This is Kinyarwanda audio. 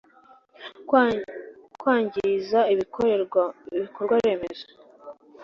kwangiza ibikorwaremezo